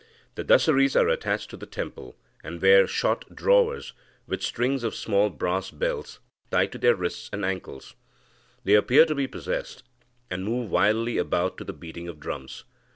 The Dasaris are attached to the temple, and wear short drawers, with strings of small brass bells tied to their wrists and ankles. They appear to be possessed, and move wildly about to the beating of drums.